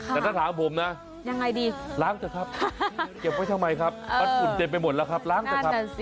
แต่ถ้าถามผมนะยังไงดีล้างเถอะครับเก็บไว้ทำไมครับมันอุ่นเต็มไปหมดแล้วครับล้างเถอะครับ